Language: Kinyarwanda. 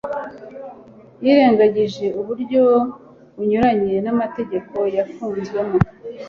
yirengagije uburyo bunyuranye n'amategeko yafunzwemo